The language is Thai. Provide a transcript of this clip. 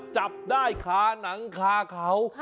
จับได้คาหนังคาเขา